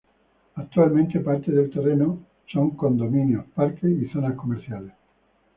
Actualmente parte del terreno son condominios, parques y zonas comerciales